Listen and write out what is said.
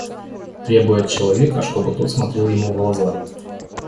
Требуя от человека, чтобы тот смотрел ему в глаза.